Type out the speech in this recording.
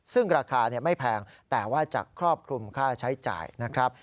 ซึ่งราคาไม่แพงแต่ว่าจะครอบคลุมค่าใช้จ่ายนะครับ